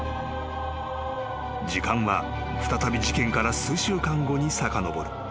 ［時間は再び事件から数週間後にさかのぼる］